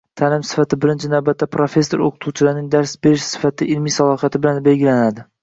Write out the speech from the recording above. Taʼlim sifati, birinchi navbatda, professor-oʻqituvchilarning dars berish sifati, ilmiy salohiyati bilan belgilanadi.